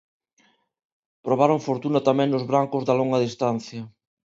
Probaron fortuna tamén os brancos na longa distancia.